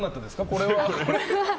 これは。